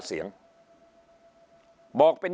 ฝ่ายชั้น